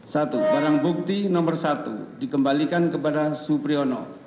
satu barang bukti nomor satu dikembalikan kepada supriyono